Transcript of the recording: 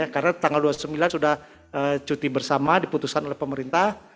karena tanggal dua puluh sembilan sudah cuti bersama diputuskan oleh pemerintah